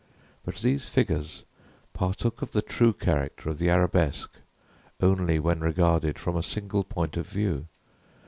But these figures partook of the true character of the arabesque only when regarded from a single point of view.